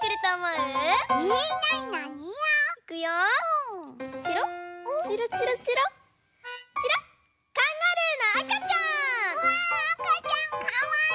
うわあかちゃんかわいい！